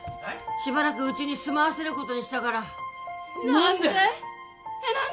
しばらくうちに住まわせることにしたから何で！？何で！？